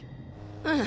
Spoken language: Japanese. うん！